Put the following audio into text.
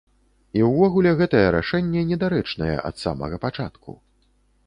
І ўвогуле гэтае рашэнне недарэчнае ад самага пачатку.